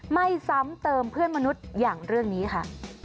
ซ้ำเติมเพื่อนมนุษย์อย่างเรื่องนี้ค่ะ